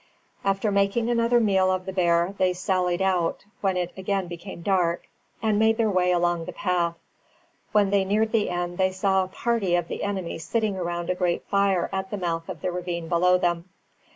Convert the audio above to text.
After making another meal of the bear, they sallied out, when it again became dark, and made their way along the path. When they neared the end they saw a party of the enemy sitting round a great fire at the mouth of the ravine below them.